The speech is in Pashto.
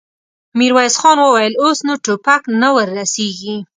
ميرويس خان وويل: اوس نو ټوپک نه ور رسېږي.